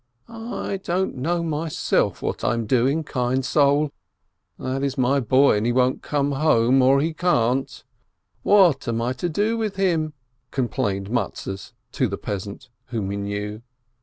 "I don't know myself what I'm doing, kind soul. That is my boy, and he won't come home, or he can't. What am I to do with him?" complained Mattes to the peasant, whom he knew.